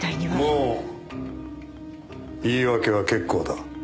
もう言い訳は結構だ。